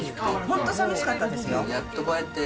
本当、寂しかったですよ。